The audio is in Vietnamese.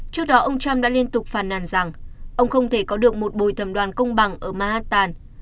trước đó ông trump đã liên tục phàn nàn rằng ông không thể có được một bồi thẩm đoàn công bằng ở manhattan